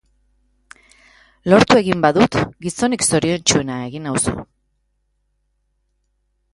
Lortu egin badut, gizonik zoriontsuena egin nauzu.